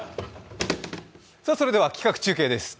それでは企画中継です。